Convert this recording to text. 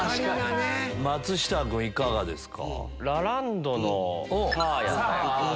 松下君いかがですか？